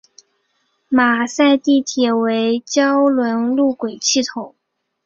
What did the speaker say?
马赛地铁为胶轮路轨系统。